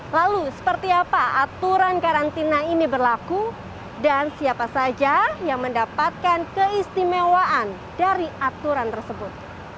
lalu seperti apa aturan karantina ini berlaku dan siapa saja yang mendapatkan keistimewaan dari aturan tersebut